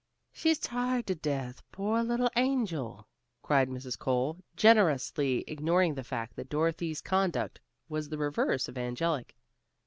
"She's tired to death, poor little angel," cried Mrs. Cole, generously ignoring the fact that Dorothy's conduct was the reverse of angelic.